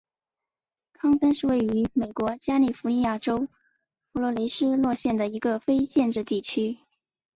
康登是位于美国加利福尼亚州弗雷斯诺县的一个非建制地区。